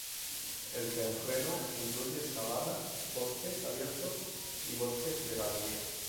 El terreno incluye sabana, bosques abiertos y bosque de galería.